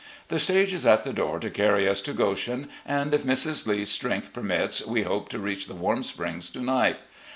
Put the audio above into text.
The stage is at the door to carry us to Goshen, and if Mrs. Lee's strength permits, we hope to reach the Warm Springs to night.